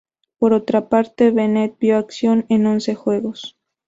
Por otra parte, Bennett vio acción en once juegos.